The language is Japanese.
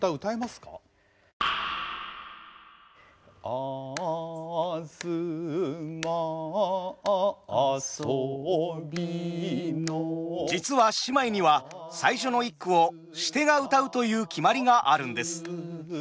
大久保さん実は仕舞には最初の一句をシテが謡うという決まりがあるんです。